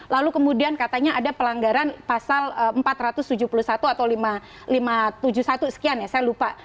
lalu kemudian katanya ada pelanggaran pasal empat ratus tujuh puluh satu atau lima ratus tujuh puluh satu sekian ya saya lupa